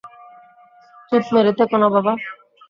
চুপ মেরে থেকো না, বাবা।